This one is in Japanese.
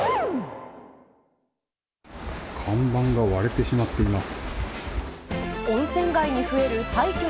看板が割れてしまっています。